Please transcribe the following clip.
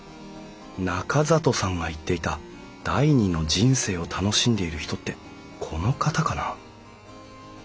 中里さんが言っていた第２の人生を楽しんでいる人ってこの方かな？